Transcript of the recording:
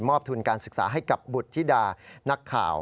ทุนการศึกษาให้กับบุตรธิดานักข่าว